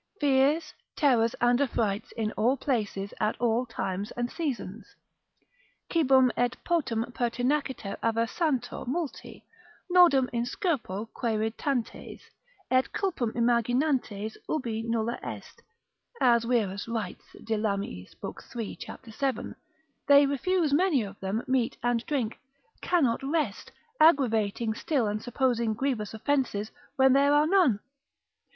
Fears, terrors, and affrights in all places, at all times and seasons. Cibum et potum pertinaciter aversantur multi, nodum in scirpo quaeritantes, et culpam imaginantes ubi nulla est, as Wierus writes de Lamiis lib. 3. c. 7. they refuse many of them meat and drink, cannot rest, aggravating still and supposing grievous offences where there are none.